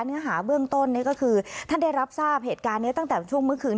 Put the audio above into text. เนื้อหาเบื้องต้นนี่ก็คือท่านได้รับทราบเหตุการณ์นี้ตั้งแต่ช่วงเมื่อคืน